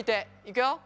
いくよ。